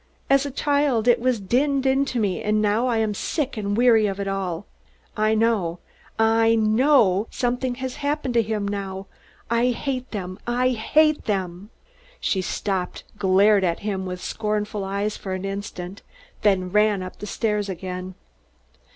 As a child it was dinned into me, and now I am sick and weary of it all. I know I know something has happened to him now. I hate them! I hate them!" She stopped, glared at him with scornful eyes for an instant, then ran up the stairs again.